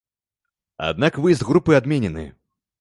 Аднак выезд групы адменены.